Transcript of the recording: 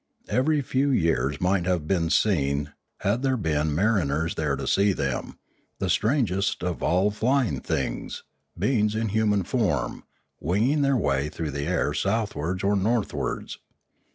Every few years might have been seen, had there been mariners there to see them, the strangest of all flying things, beings in human form, winging their way through the air southwards or northwards.